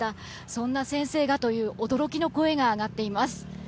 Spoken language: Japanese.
そんな先生がという驚きの声が上がっています。